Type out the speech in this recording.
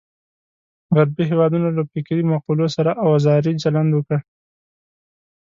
غربي هېوادونو له فکري مقولو سره اوزاري چلند وکړ.